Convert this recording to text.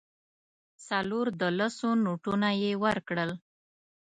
څلور د لسو نوټونه یې ورکړل.